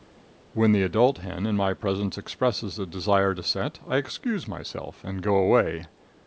When the adult hen in my presence expresses a desire to set I excuse myself and go away.